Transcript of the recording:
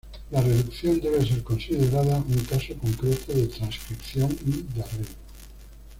La reducción debe ser considerada un caso concreto de transcripción y de arreglo.